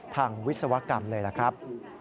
ทางวิศวกรรมเลยนะครับ